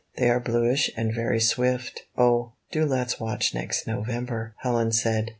They are bluish and very swift." "Oh, do let's watch next November!" Helen said.